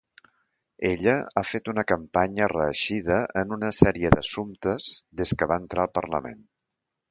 Ella ha fet una campanya reeixida en una sèrie d'assumptes des que va entrar al Parlament.